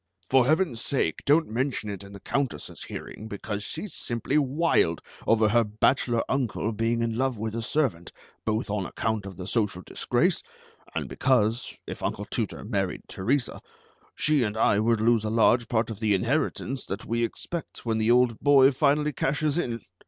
"For Heaven's sake, don't mention it in the Countess's hearing, because she's simply wild over her bachelor uncle being in love with a servant, both on account of the social disgrace, and because, if Uncle Tooter married Teresa, she and I would lose a large part of the inheritance that we expect when the old boy finally cashes in.